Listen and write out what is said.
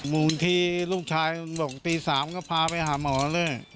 มุ่งที่ลูกชายตี๓ก็ขาไปพาบ้างหามหมอเลย